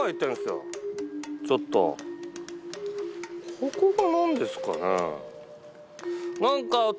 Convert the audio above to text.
ここが何ですかね？